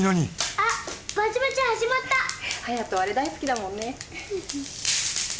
あれ大好きだもんね。